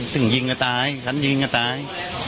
ถึงยิงกันตายขั้นยิงกันตาย